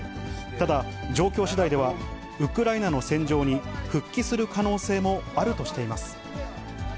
ただ、状況しだいでは、ウクライナの戦場に、復帰する可能性もあるとしています。